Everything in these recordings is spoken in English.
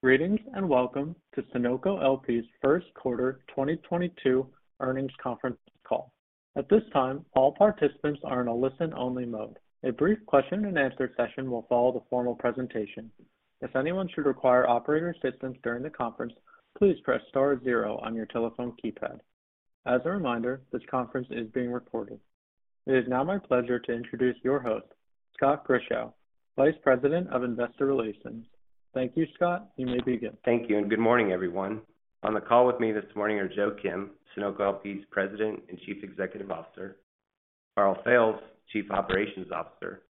Greetings, and welcome to Sunoco LP's first quarter 2022 earnings conference call. At this time, all participants are in a listen-only mode. A brief question and answer session will follow the formal presentation. If anyone should require operator assistance during the conference, please press star zero on your telephone keypad. As a reminder, this conference is being recorded. It is now my pleasure to introduce your host, Scott Grischow, Vice President of Investor Relations. Thank you, Scott. You may begin. Thank you, and good morning, everyone. On the call with me this morning are Joe Kim, Sunoco LP's President and Chief Executive Officer, Karl Fails, Chief Operations Officer,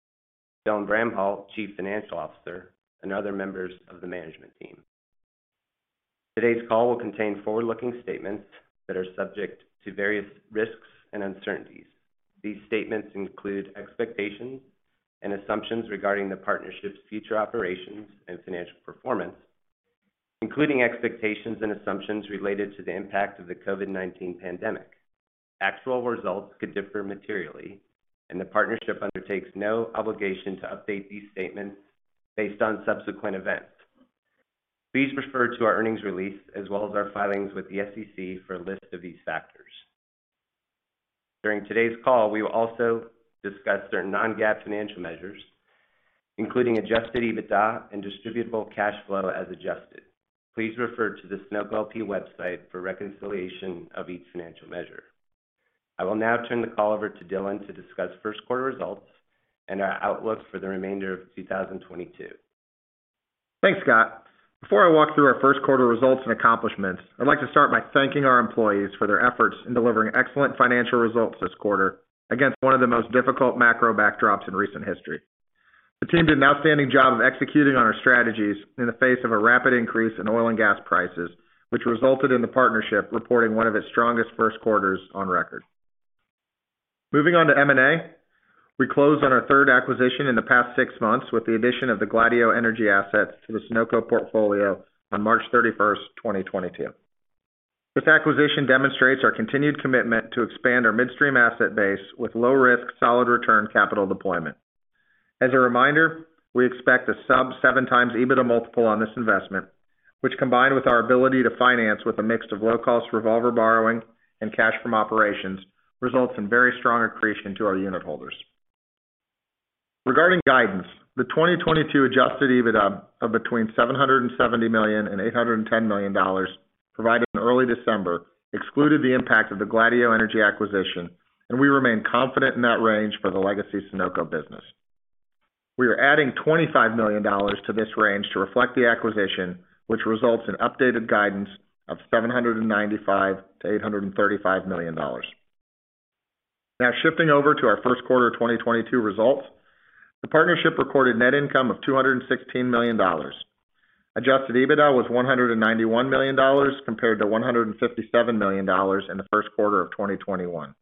Dylan Bramhall, Chief Financial Officer, and other members of the management team. Today's call will contain forward-looking statements that are subject to various risks and uncertainties. These statements include expectations and assumptions regarding the partnership's future operations and financial performance, including expectations and assumptions related to the impact of the COVID-19 pandemic. Actual results could differ materially, and the partnership undertakes no obligation to update these statements based on subsequent events. Please refer to our earnings release as well as our filings with the SEC for a list of these factors. During today's call, we will also discuss certain non-GAAP financial measures, including Adjusted EBITDA and distributable cash flow as adjusted. Please refer to the Sunoco LP website for reconciliation of each financial measure. I will now turn the call over to Dylan to discuss first quarter results and our outlook for the remainder of 2022. Thanks, Scott. Before I walk through our first quarter results and accomplishments, I'd like to start by thanking our employees for their efforts in delivering excellent financial results this quarter against one of the most difficult macro backdrops in recent history. The team did an outstanding job of executing on our strategies in the face of a rapid increase in oil and gas prices, which resulted in the partnership reporting one of its strongest first quarters on record. Moving on to M&A, we closed on our third acquisition in the past six months with the addition of the Gladieux Energy assets to the Sunoco portfolio on March 31, 2022. This acquisition demonstrates our continued commitment to expand our midstream asset base with low risk, solid return capital deployment. As a reminder, we expect a sub-7x EBITDA multiple on this investment, which, combined with our ability to finance with a mix of low-cost revolver borrowing and cash from operations, results in very strong accretion to our unit holders. Regarding guidance, the 2022 Adjusted EBITDA of between $770 million and $810 million provided in early December excluded the impact of the Gladieux Energy acquisition, and we remain confident in that range for the legacy Sunoco business. We are adding $25 million to this range to reflect the acquisition, which results in updated guidance of $795 million-$835 million. Now shifting over to our first quarter 2022 results, the partnership recorded net income of $216 million. Adjusted EBITDA was $191 million compared to $157 million in the first quarter of 2021.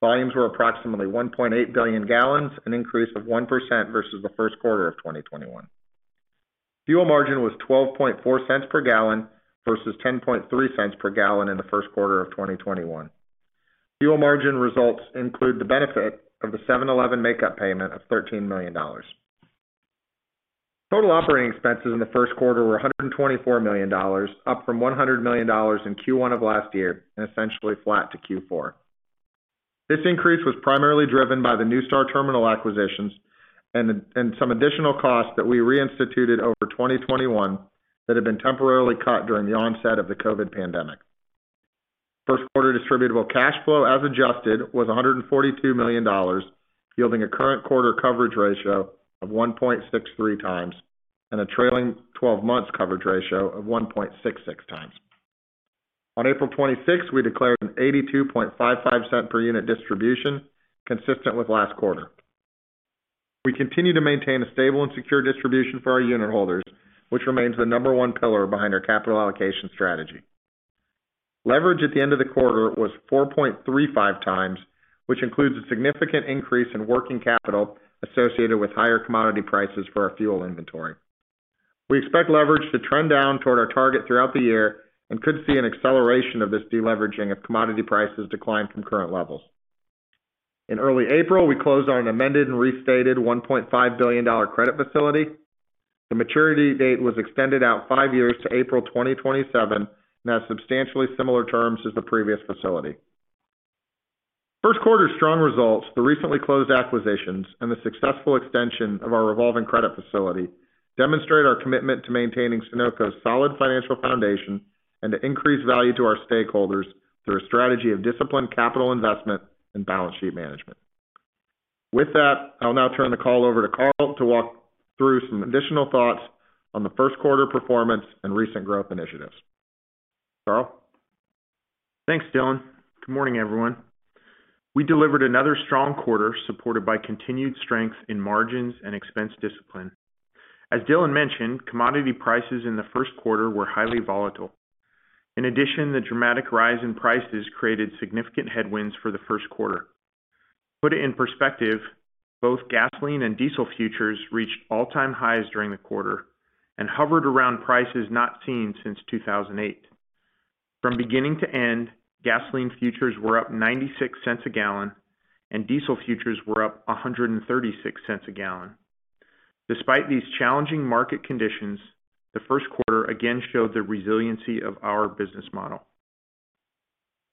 Volumes were approximately 1.8 billion gallons, an increase of 1% versus the first quarter of 2021. Fuel margin was $0.124 per gallon versus $0.103 per gallon in the first quarter of 2021. Fuel margin results include the benefit of the 7-Eleven makeup payment of $13 million. Total operating expenses in the first quarter were $124 million, up from $100 million in Q1 of last year, and essentially flat to Q4. This increase was primarily driven by the NuStar Energy acquisitions and some additional costs that we reinstituted over 2021 that had been temporarily cut during the onset of the COVID pandemic. First quarter distributable cash flow as adjusted was $142 million, yielding a current quarter coverage ratio of 1.63x and a trailing twelve months coverage ratio of 1.66x. On April 26, we declared an $0.825 per unit distribution, consistent with last quarter. We continue to maintain a stable and secure distribution for our unit holders, which remains the number one pillar behind our capital allocation strategy. Leverage at the end of the quarter was 4.35x, which includes a significant increase in working capital associated with higher commodity prices for our fuel inventory. We expect leverage to trend down toward our target throughout the year and could see an acceleration of this deleveraging if commodity prices decline from current levels. In early April, we closed on an amended and restated $1.5 billion credit facility. The maturity date was extended out 5 years to April 2027 and has substantially similar terms as the previous facility. First quarter strong results, the recently closed acquisitions, and the successful extension of our revolving credit facility demonstrate our commitment to maintaining Sunoco's solid financial foundation and to increase value to our stakeholders through a strategy of disciplined capital investment and balance sheet management. With that, I'll now turn the call over to Karl to walk through some additional thoughts on the first quarter performance and recent growth initiatives. Karl? Thanks, Dylan. Good morning, everyone. We delivered another strong quarter, supported by continued strength in margins and expense discipline. As Dylan mentioned, commodity prices in the first quarter were highly volatile. In addition, the dramatic rise in prices created significant headwinds for the first quarter. Put it in perspective, both gasoline and diesel futures reached all-time highs during the quarter and hovered around prices not seen since 2008. From beginning to end, gasoline futures were up $0.96 a gallon and diesel futures were up $1.36 a gallon. Despite these challenging market conditions, the first quarter again showed the resiliency of our business model.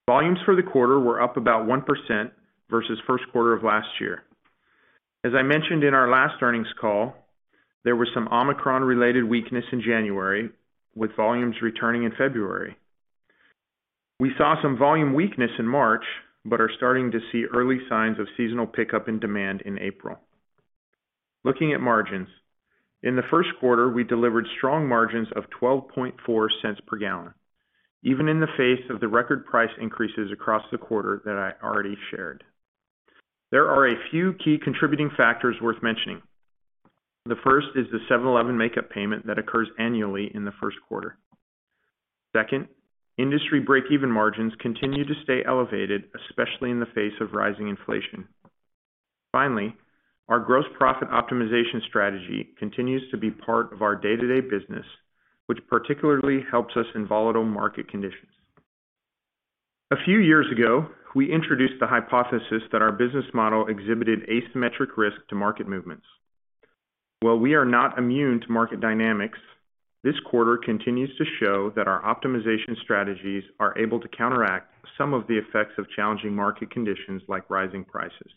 Volumes for the quarter were up about 1% versus first quarter of last year. As I mentioned in our last earnings call, there were some Omicron-related weakness in January, with volumes returning in February. We saw some volume weakness in March, but are starting to see early signs of seasonal pickup in demand in April. Looking at margins, in the first quarter, we delivered strong margins of $0.124 per gallon, even in the face of the record price increases across the quarter that I already shared. There are a few key contributing factors worth mentioning. The first is the 7-Eleven makeup payment that occurs annually in the first quarter. Second, industry break-even margins continue to stay elevated, especially in the face of rising inflation. Finally, our gross profit optimization strategy continues to be part of our day-to-day business, which particularly helps us in volatile market conditions. A few years ago, we introduced the hypothesis that our business model exhibited asymmetric risk to market movements. While we are not immune to market dynamics, this quarter continues to show that our optimization strategies are able to counteract some of the effects of challenging market conditions like rising prices.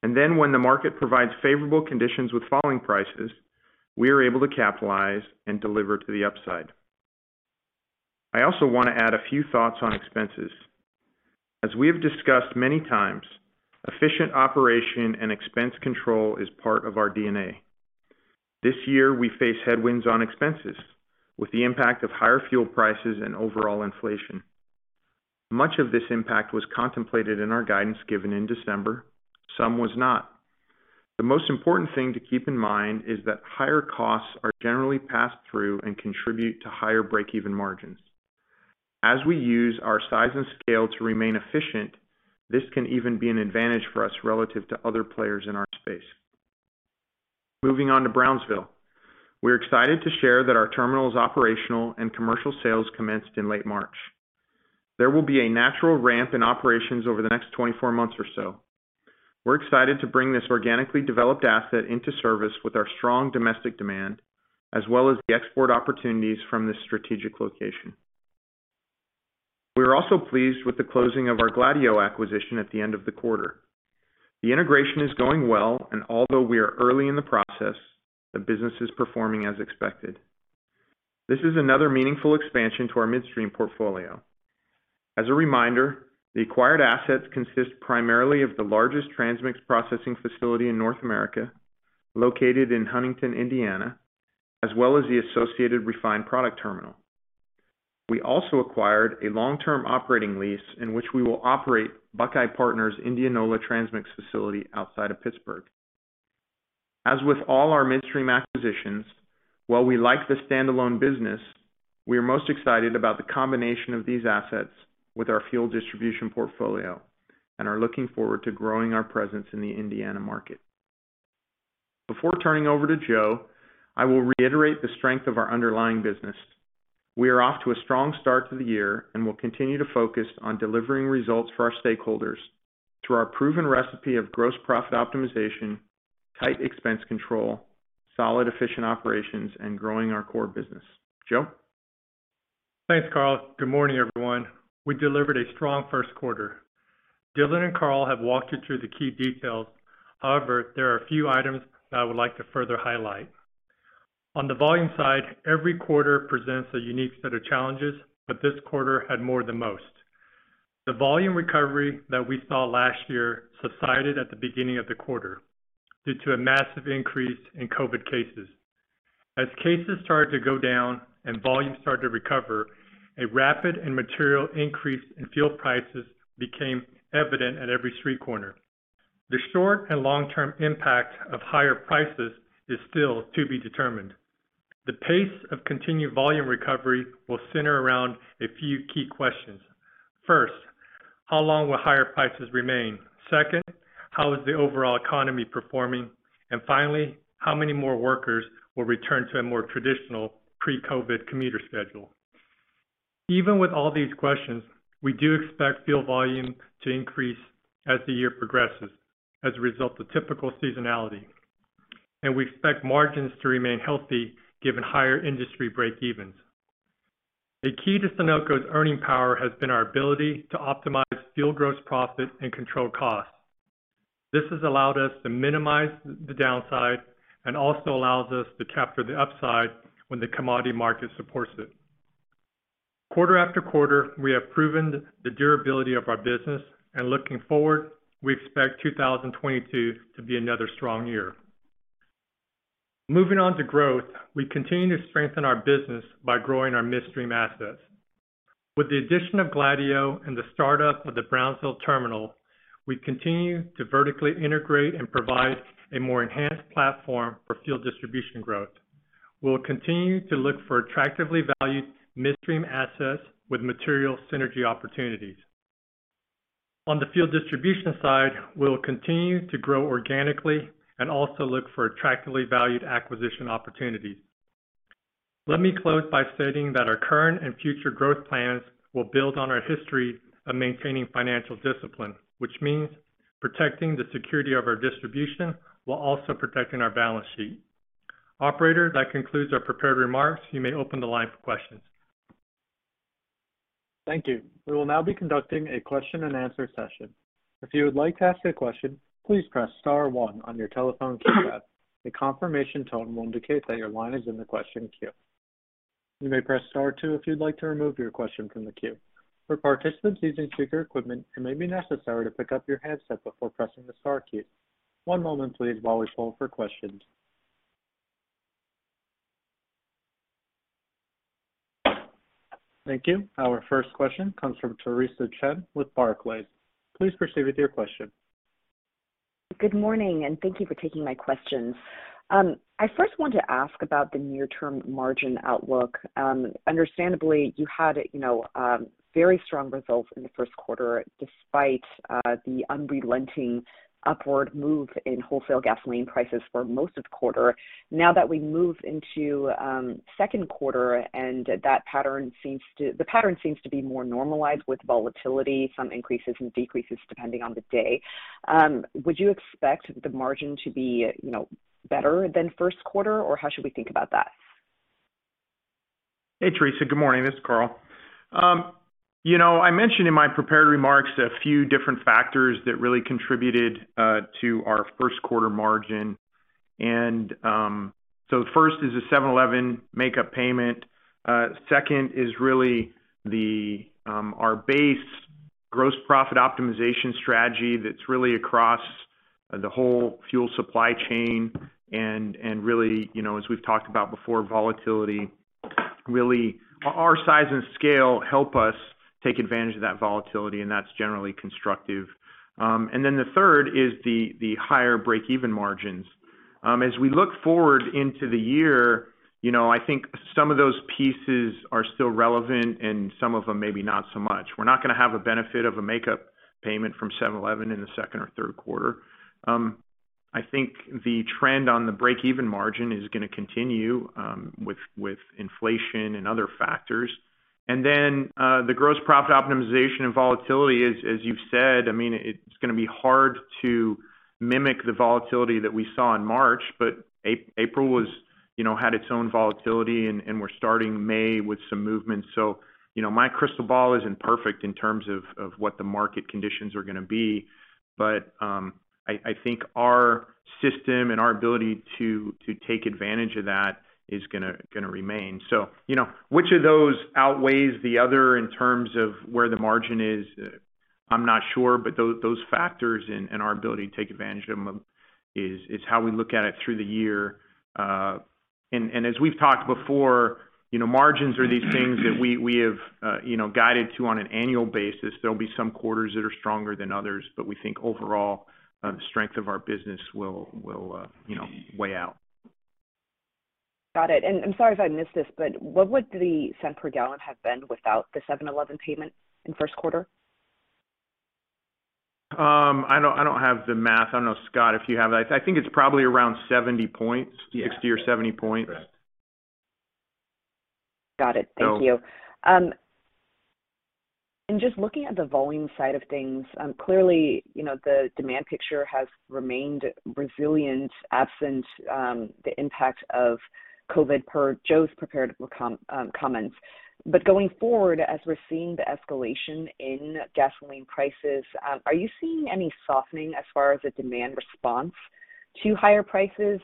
When the market provides favorable conditions with falling prices, we are able to capitalize and deliver to the upside. I also want to add a few thoughts on expenses. As we have discussed many times, efficient operation and expense control is part of our DNA. This year, we face headwinds on expenses with the impact of higher fuel prices and overall inflation. Much of this impact was contemplated in our guidance given in December, some was not. The most important thing to keep in mind is that higher costs are generally passed through and contribute to higher break-even margins. As we use our size and scale to remain efficient, this can even be an advantage for us relative to other players in our space. Moving on to Brownsville. We're excited to share that our terminal is operational and commercial sales commenced in late March. There will be a natural ramp in operations over the next 24 months or so. We're excited to bring this organically developed asset into service with our strong domestic demand, as well as the export opportunities from this strategic location. We are also pleased with the closing of our Gladieux acquisition at the end of the quarter. The integration is going well, and although we are early in the process, the business is performing as expected. This is another meaningful expansion to our midstream portfolio. As a reminder, the acquired assets consist primarily of the largest transmix processing facility in North America, located in Huntington, Indiana, as well as the associated refined product terminal. We also acquired a long-term operating lease in which we will operate Buckeye Partners' Indianola transmix facility outside of Pittsburgh. As with all our midstream acquisitions, while we like the standalone business, we are most excited about the combination of these assets with our fuel distribution portfolio and are looking forward to growing our presence in the Indiana market. Before turning over to Joe, I will reiterate the strength of our underlying business. We are off to a strong start to the year and will continue to focus on delivering results for our stakeholders through our proven recipe of gross profit optimization, tight expense control, solid efficient operations, and growing our core business. Joe? Thanks, Karl. Good morning, everyone. We delivered a strong first quarter. Dylan and Karl have walked you through the key details. However, there are a few items that I would like to further highlight. On the volume side, every quarter presents a unique set of challenges, but this quarter had more than most. The volume recovery that we saw last year subsided at the beginning of the quarter due to a massive increase in COVID cases. As cases started to go down and volumes started to recover, a rapid and material increase in fuel prices became evident at every street corner. The short and long-term impact of higher prices is still to be determined. The pace of continued volume recovery will center around a few key questions. First, how long will higher prices remain? Second, how is the overall economy performing? Finally, how many more workers will return to a more traditional pre-COVID commuter schedule? Even with all these questions, we do expect fuel volume to increase as the year progresses as a result of typical seasonality, and we expect margins to remain healthy given higher industry break-evens. A key to Sunoco's earning power has been our ability to optimize fuel gross profit and control costs. This has allowed us to minimize the downside and also allows us to capture the upside when the commodity market supports it. Quarter after quarter, we have proven the durability of our business, and looking forward, we expect 2022 to be another strong year. Moving on to growth, we continue to strengthen our business by growing our midstream assets. With the addition of Gladieux and the startup of the Brownsville terminal, we continue to vertically integrate and provide a more enhanced platform for fuel distribution growth. We'll continue to look for attractively valued midstream assets with material synergy opportunities. On the field distribution side, we'll continue to grow organically and also look for attractively valued acquisition opportunities. Let me close by stating that our current and future growth plans will build on our history of maintaining financial discipline, which means protecting the security of our distribution while also protecting our balance sheet. Operator, that concludes our prepared remarks. You may open the line for questions. Thank you. We will now be conducting a question-and-answer session. If you would like to ask a question, please press star one on your telephone keypad. A confirmation tone will indicate that your line is in the question queue. You may press star two if you'd like to remove your question from the queue. For participants using speaker equipment, it may be necessary to pick up your handset before pressing the star key. One moment please while we poll for questions. Thank you. Our first question comes from Theresa Chen with Barclays. Please proceed with your question. Good morning, and thank you for taking my questions. I first want to ask about the near-term margin outlook. Understandably, you had, you know, very strong results in the first quarter despite the unrelenting upward move in wholesale gasoline prices for most of the quarter. Now that we move into second quarter and the pattern seems to be more normalized with volatility, some increases and decreases depending on the day, would you expect the margin to be, you know, better than first quarter, or how should we think about that? Hey, Theresa. Good morning. This is Karl. You know, I mentioned in my prepared remarks a few different factors that really contributed to our first quarter margin. First is the 7-Eleven makeup payment. Second is really our base gross profit optimization strategy that's really across the whole fuel supply chain and really, you know, as we've talked about before, volatility. Really, our size and scale help us take advantage of that volatility, and that's generally constructive. Then the third is the higher breakeven margins. As we look forward into the year, you know, I think some of those pieces are still relevant and some of them maybe not so much. We're not going to have a benefit of a makeup payment from 7-Eleven in the second or third quarter. I think the trend on the breakeven margin is going to continue with inflation and other factors. The gross profit optimization and volatility is, as you've said, I mean, it's going to be hard to mimic the volatility that we saw in March, but April was, you know, had its own volatility and we're starting May with some movement. You know, my crystal ball isn't perfect in terms of what the market conditions are going to be, but I think our system and our ability to take advantage of that is going to remain. You know, which of those outweighs the other in terms of where the margin is, I'm not sure. Those factors and our ability to take advantage of them is how we look at it through the year. As we've talked before, you know, margins are these things that we have, you know, guided to on an annual basis. There'll be some quarters that are stronger than others, but we think overall, the strength of our business will, you know, weigh out. Got it. I'm sorry if I missed this, but what would the cents per gallon have been without the 7-Eleven payment in first quarter? I don't have the math. I don't know, Scott, if you have that. I think it's probably around 70 points. 60 or 70 points. Yeah. That's correct. Got it. Thank you. So- Just looking at the volume side of things, clearly, you know, the demand picture has remained resilient absent the impact of COVID per Joe's prepared comments. But going forward, as we're seeing the escalation in gasoline prices, are you seeing any softening as far as the demand response to higher prices?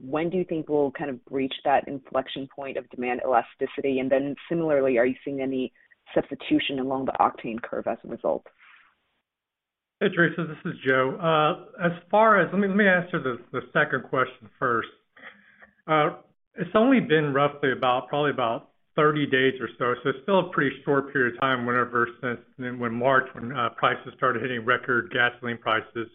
When do you think we'll kind of reach that inflection point of demand elasticity? Similarly, are you seeing any substitution along the octane curve as a result? Hey, Theresa. This is Joe. Let me answer the second question first. It's only been roughly about, probably about 30 days or so it's still a pretty short period of time since March when prices started hitting record gasoline prices.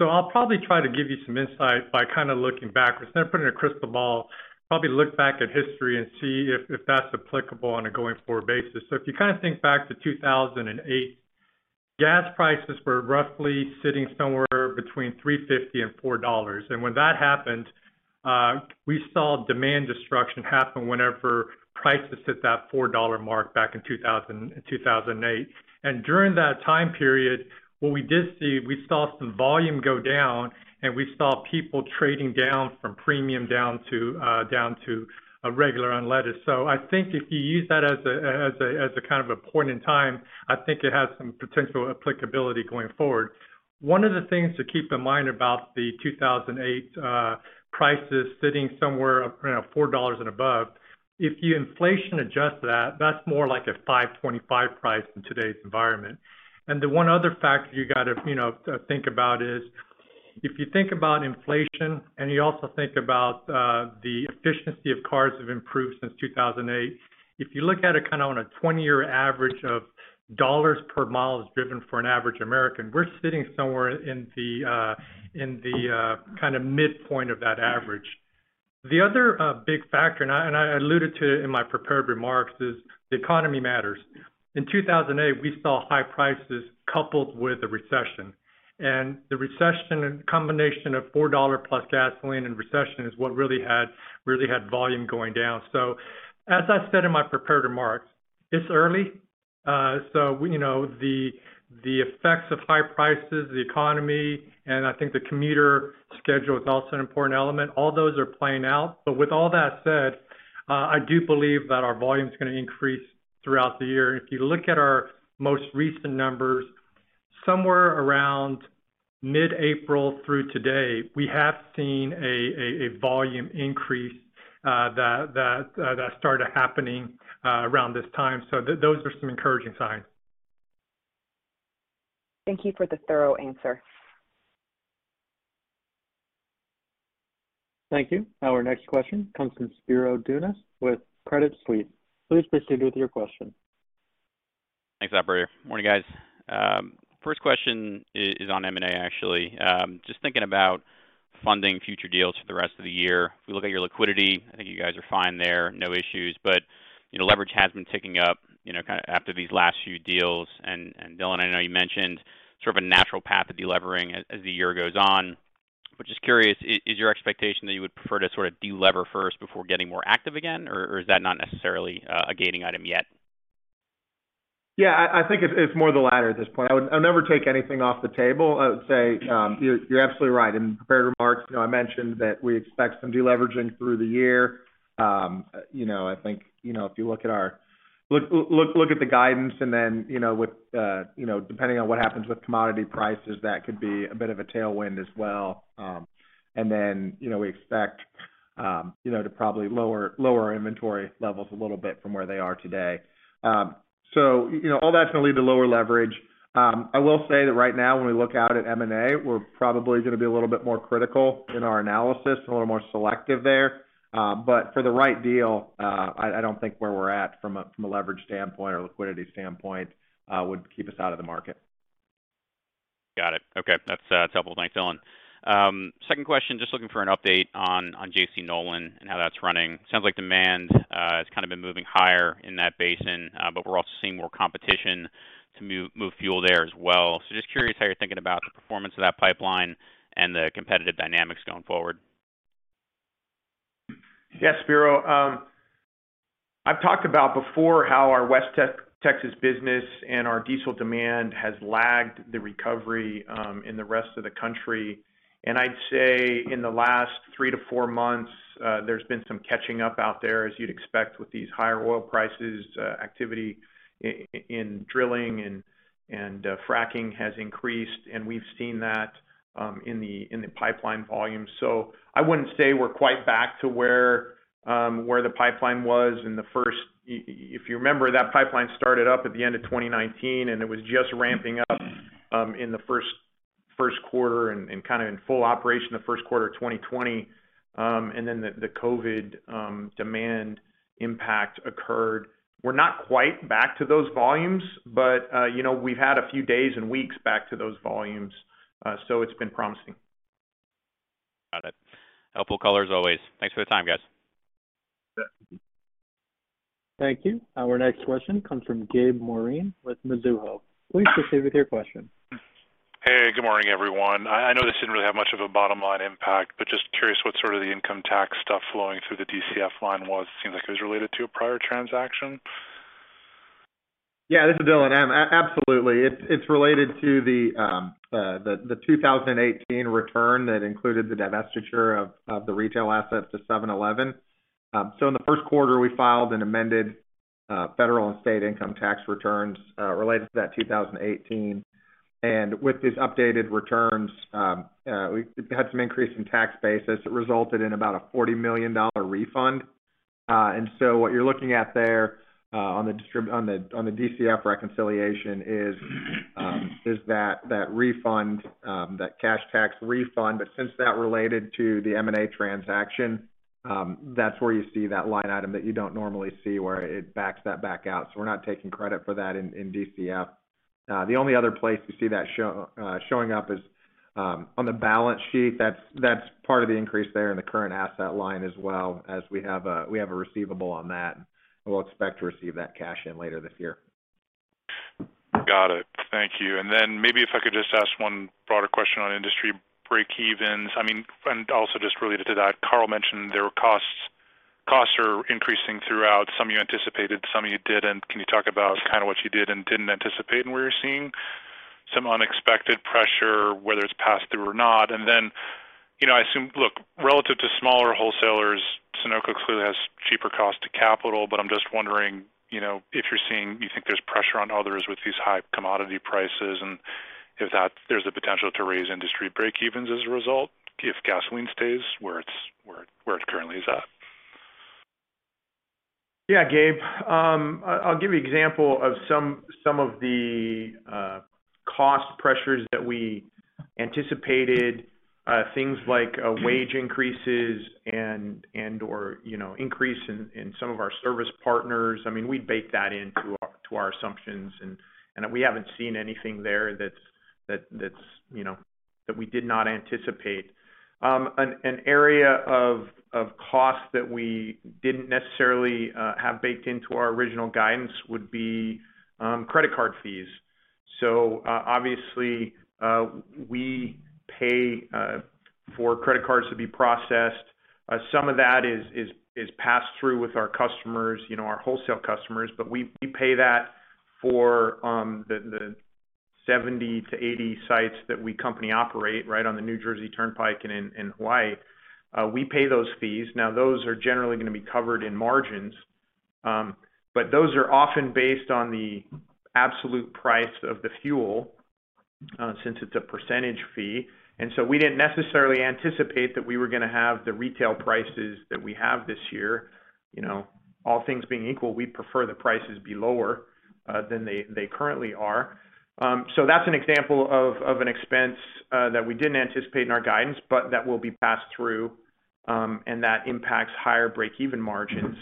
I'll probably try to give you some insight by kind of looking back. Instead of putting a crystal ball, probably look back at history and see if that's applicable on a going-forward basis. If you kind of think back to 2008, gas prices were roughly sitting somewhere between $3.50 and $4. When that happened, we saw demand destruction happen when prices hit that $4 mark back in 2008. During that time period, what we did see, we saw some volume go down and we saw people trading down from premium down to regular unleaded. I think if you use that as a kind of a point in time, I think it has some potential applicability going forward. One of the things to keep in mind about the 2008 prices sitting somewhere around $4 and above, if you inflation adjust that's more like a $5.25 price in today's environment. The one other factor you got to think about is, if you think about inflation, and you also think about the efficiency of cars have improved since 2008. If you look at it kind of on a 20-year average of dollars per mile driven for an average American, we're sitting somewhere in the kind of midpoint of that average. The other big factor, and I alluded to it in my prepared remarks, is the economy matters. In 2008, we saw high prices coupled with the recession. The recession in combination with $4-plus gasoline is what really had volume going down. As I said in my prepared remarks, it's early. You know, the effects of high prices, the economy, and I think the commuter schedule is also an important element. All those are playing out. With all that said, I do believe that our volume is going to increase throughout the year. If you look at our most recent numbers, somewhere around mid-April through today, we have seen a volume increase that started happening around this time. Those are some encouraging signs. Thank you for the thorough answer. Thank you. Our next question comes from Spiro Dounis with Credit Suisse. Please proceed with your question. Thanks, operator. Morning, guys. First question is on M&A, actually. Just thinking about funding future deals for the rest of the year. If we look at your liquidity, I think you guys are fine there, no issues. But, you know, leverage has been ticking up, you know, kind of after these last few deals. Dylan, I know you mentioned sort of a natural path of delevering as the year goes on. But just curious, is your expectation that you would prefer to sort of delever first before getting more active again, or is that not necessarily a gating item yet? Yeah, I think it's more the latter at this point. I'll never take anything off the table. I would say, you're absolutely right. In prepared remarks, you know, I mentioned that we expect some deleveraging through the year. You know, I think, you know, look at the guidance and then, you know, with, you know, depending on what happens with commodity prices, that could be a bit of a tailwind as well. You know, we expect, you know, to probably lower inventory levels a little bit from where they are today. You know, all that's going to lead to lower leverage. I will say that right now, when we look out at M&A, we're probably going to be a little bit more critical in our analysis and a little more selective there. For the right deal, I don't think where we're at from a leverage standpoint or liquidity standpoint would keep us out of the market. Got it. Okay. That's helpful. Thanks, Dylan. Second question, just looking for an update on J.C. Nolan and how that's running. Sounds like demand has kind of been moving higher in that basin, but we're also seeing more competition to move fuel there as well. Just curious how you're thinking about the performance of that pipeline and the competitive dynamics going forward. Yes, Spiro. I've talked about before how our West Texas business and our diesel demand has lagged the recovery in the rest of the country. I'd say in the last 3-4 months, there's been some catching up out there, as you'd expect with these higher oil prices, activity in drilling and fracking has increased, and we've seen that in the pipeline volumes. I wouldn't say we're quite back to where where the pipeline was in the first. If you remember, that pipeline started up at the end of 2019, and it was just ramping up in the first quarter and kind of in full operation the first quarter of 2020. Then the COVID demand impact occurred. We're not quite back to those volumes, but, you know, we've had a few days and weeks back to those volumes. It's been promising. Got it. Helpful color as always. Thanks for the time, guys. Yeah. Thank you. Our next question comes from Gabe Moreen with Mizuho. Please proceed with your question. Hey, good morning, everyone. I know this didn't really have much of a bottom line impact, but just curious what sort of the income tax stuff flowing through the DCF line was? It seems like it was related to a prior transaction. Yeah, this is Dylan. Absolutely. It's related to the 2018 return that included the divestiture of the retail assets to 7-Eleven. In the first quarter, we filed an amended federal and state income tax returns related to that 2018. With these updated returns, we had some increase in tax basis. It resulted in about a $40 million refund. What you're looking at there on the DCF reconciliation is that refund, that cash tax refund. Since that related to the M&A transaction, that's where you see that line item that you don't normally see where it backs that back out. We're not taking credit for that in DCF. The only other place you see that, though, showing up is on the balance sheet. That's part of the increase there in the current asset line as well as we have a receivable on that. We'll expect to receive that cash later this year. Got it. Thank you. Then maybe if I could just ask one broader question on industry break-evens. I mean, also just related to that, Karl mentioned there were costs. Costs are increasing throughout. Some you anticipated, some you didn't. Can you talk about kind of what you did and didn't anticipate and where you're seeing some unexpected pressure, whether it's passed through or not? Then, you know, Look, relative to smaller wholesalers, Sunoco clearly has cheaper cost of capital, but I'm just wondering, you know, if you're seeing, do you think there's pressure on others with these high commodity prices, and if that, there's the potential to raise industry break-evens as a result if gasoline stays where it currently is at? Yeah, Gabe. I'll give you example of some of the cost pressures that we anticipated, things like wage increases and/or, you know, increase in some of our service partners. I mean, we bake that into our assumptions and we haven't seen anything there that's, you know, that we did not anticipate. An area of cost that we didn't necessarily have baked into our original guidance would be credit card fees. So obviously, we pay for credit cards to be processed. Some of that is passed through with our customers, you know, our wholesale customers. But we pay that for the 70-80 sites that we company-operated right on the New Jersey Turnpike and in Hawaii. We pay those fees. Now, those are generally going to be covered in margins. But those are often based on the absolute price of the fuel, since it's a percentage fee. We didn't necessarily anticipate that we were going to have the retail prices that we have this year. You know, all things being equal, we'd prefer the prices be lower than they currently are. That's an example of an expense that we didn't anticipate in our guidance, but that will be passed through, and that impacts higher breakeven margins.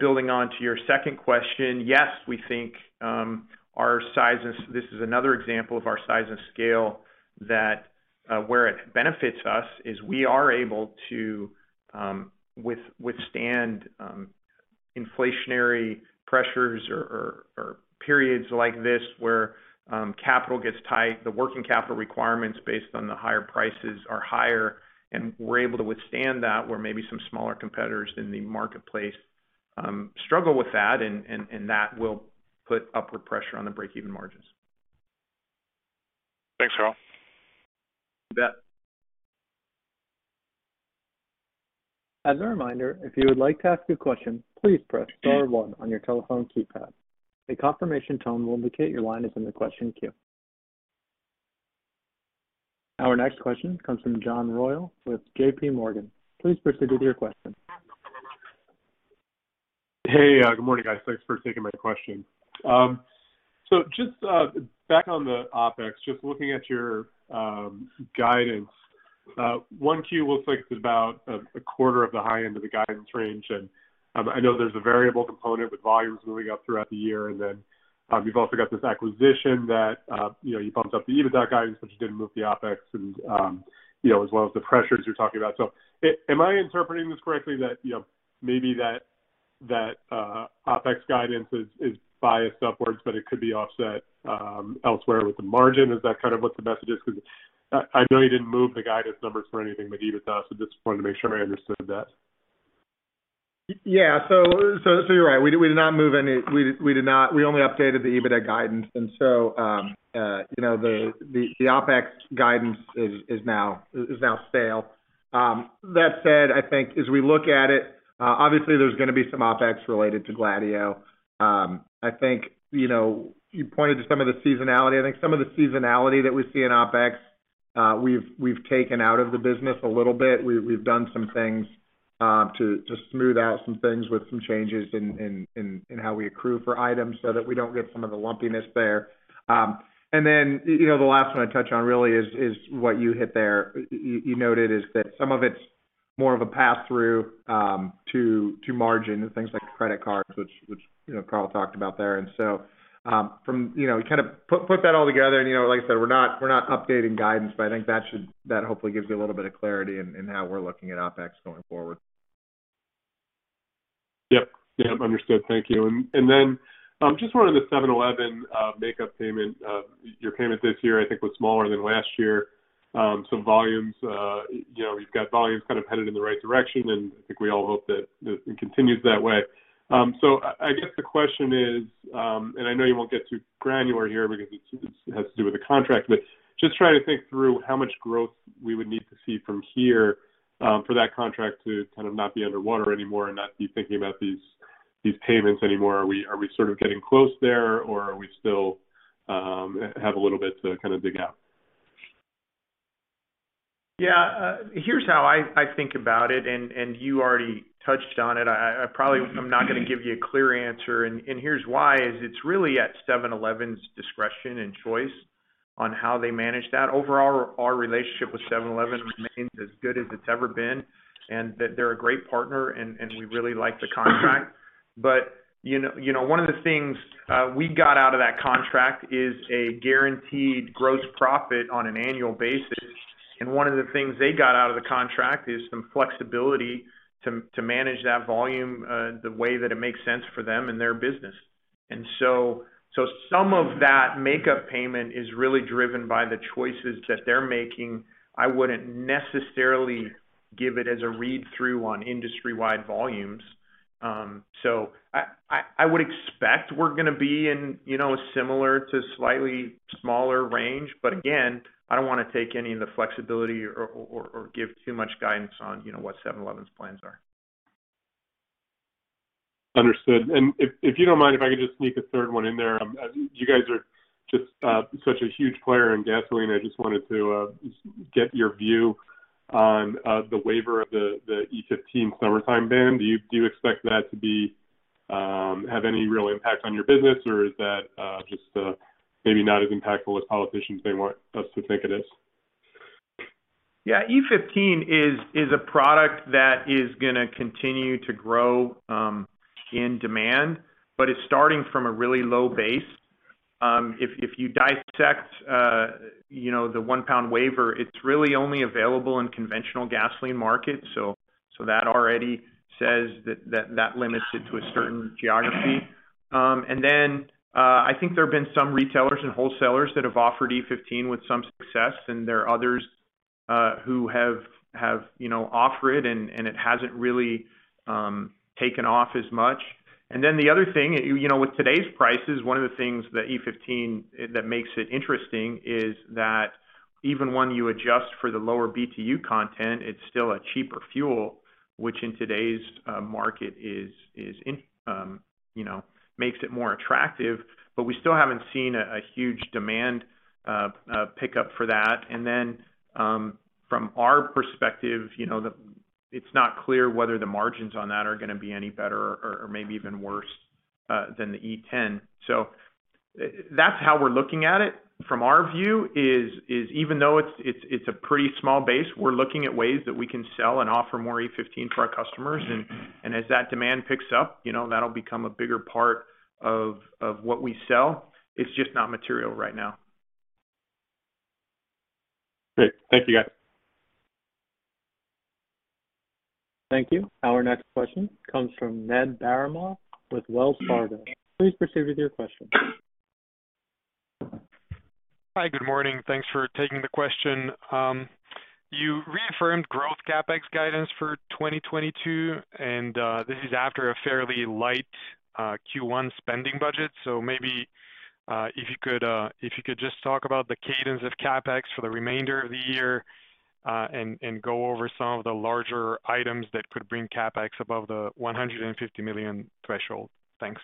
Building on to your second question, yes, we think this is another example of our size and scale that, where it benefits us, is we are able to withstand inflationary pressures or periods like this where capital gets tight. The working capital requirements based on the higher prices are higher, and we're able to withstand that, where maybe some smaller competitors in the marketplace, struggle with that, and that will put upward pressure on the break-even margins. Thanks, Karl. You bet. As a reminder, if you would like to ask a question, please press star one on your telephone keypad. A confirmation tone will indicate your line is in the question queue. Our next question comes from John Royall with J.P. Morgan. Please proceed with your question. Hey, good morning, guys. Thanks for taking my question. Just back on the OpEx, just looking at your guidance, 1Q looks like it's about a quarter of the high end of the guidance range. I know there's a variable component with volumes moving up throughout the year. You've also got this acquisition that you know you bumped up the EBITDA guidance, but you didn't move the OpEx and you know as well as the pressures you're talking about. Am I interpreting this correctly that you know maybe that OpEx guidance is biased upwards, but it could be offset elsewhere with the margin? Is that kind of what the message is? 'Cause I know you didn't move the guidance numbers for anything but EBITDA, so just wanted to make sure I understood that. Yeah, you're right. We did not move any. We only updated the EBITDA guidance, you know, the OpEx guidance is now stale. That said, I think as we look at it, obviously there's gonna be some OpEx related to Gladieux. I think, you know, you pointed to some of the seasonality. I think some of the seasonality that we see in OpEx, we've taken out of the business a little bit. We've done some things to smooth out some things with some changes in how we accrue for items so that we don't get some of the lumpiness there. Then, you know, the last one I touch on really is what you hit there. You noted that some of it's more of a pass-through to margin and things like credit cards, which you know, Karl talked about there. From you know, kind of put that all together and you know, like I said, we're not updating guidance, but I think that hopefully gives you a little bit of clarity in how we're looking at OpEx going forward. Yep. Yep. Understood. Thank you. Then just wanted the 7-Eleven makeup payment. Your payment this year I think was smaller than last year. So volumes, you know, you've got volumes kind of headed in the right direction, and I think we all hope that it continues that way. So I guess the question is, and I know you won't get too granular here because it has to do with the contract, but just trying to think through how much growth we would need to see from here, for that contract to kind of not be underwater anymore and not be thinking about these payments anymore. Are we sort of getting close there, or are we still have a little bit to kind of dig out? Yeah. Here's how I think about it, and you already touched on it. I probably am not gonna give you a clear answer, and here's why, it's really at 7-Eleven's discretion and choice on how they manage that. Overall, our relationship with 7-Eleven remains as good as it's ever been, and that they're a great partner and we really like the contract. You know, one of the things we got out of that contract is a guaranteed gross profit on an annual basis. One of the things they got out of the contract is some flexibility to manage that volume the way that it makes sense for them and their business. Some of that makeup payment is really driven by the choices that they're making. I wouldn't necessarily give it as a read-through on industry-wide volumes. I would expect we're gonna be in, you know, similar to slightly smaller range, but again, I don't wanna take any of the flexibility or give too much guidance on, you know, what 7-Eleven's plans are. Understood. If you don't mind, if I could just sneak a third one in there. You guys are just such a huge player in gasoline. I just wanted to get your view on the waiver of the E15 summertime ban. Do you expect that to have any real impact on your business, or is that just maybe not as impactful as politicians may want us to think it is? Yeah, E15 is a product that is gonna continue to grow in demand, but it's starting from a really low base. If you dissect you know the 1 psi waiver, it's really only available in conventional gasoline markets. So that already says that that limits it to a certain geography. I think there have been some retailers and wholesalers that have offered E15 with some success, and there are others who have you know offered it and it hasn't really taken off as much. The other thing, you know, with today's prices, one of the things that E15 that makes it interesting is that even when you adjust for the lower BTU content, it's still a cheaper fuel, which in today's market is in, you know, makes it more attractive. But we still haven't seen a huge demand pick up for that. From our perspective, you know, it's not clear whether the margins on that are gonna be any better or maybe even worse than the E10. That's how we're looking at it. From our view is even though it's a pretty small base, we're looking at ways that we can sell and offer more E15 for our customers. as that demand picks up, you know, that'll become a bigger part of what we sell. It's just not material right now. Great. Thank you, guys. Thank you. Our next question comes from Ned Baramov with Wells Fargo. Please proceed with your question. Hi. Good morning. Thanks for taking the question. You reaffirmed growth CapEx guidance for 2022, and this is after a fairly light Q1 spending budget. Maybe if you could just talk about the cadence of CapEx for the remainder of the year, and go over some of the larger items that could bring CapEx above the $150 million threshold. Thanks.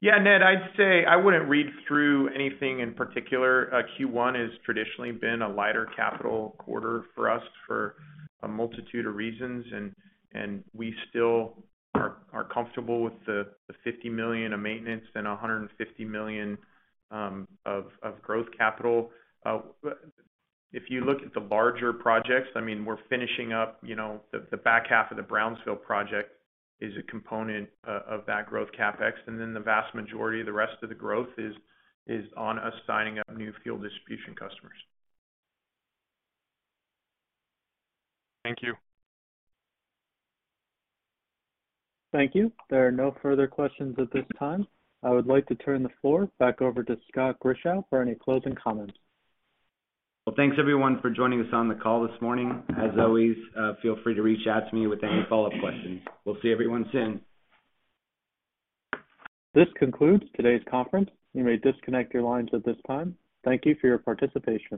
Yeah, Ned, I'd say I wouldn't read through anything in particular. Q1 has traditionally been a lighter capital quarter for us for a multitude of reasons. We still are comfortable with the $50 million of maintenance and $150 million of growth capital. If you look at the larger projects, I mean, we're finishing up, you know, the back half of the Brownsville project is a component of that growth CapEx, and then the vast majority of the rest of the growth is on us signing up new fuel distribution customers. Thank you. Thank you. There are no further questions at this time. I would like to turn the floor back over to Scott Grischow for any closing comments. Well, thanks everyone for joining us on the call this morning. As always, feel free to reach out to me with any follow-up questions. We'll see everyone soon. This concludes today's conference. You may disconnect your lines at this time. Thank you for your participation.